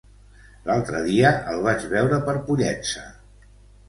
L'altre dia el vaig veure per Pollença.